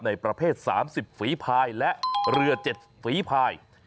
ในประเภท๓๐ฝีภายและเรือ๗ฝีภาย